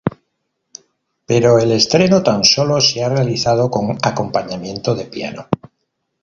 Pero el estreno tan sólo se ha realizado con acompañamiento de piano.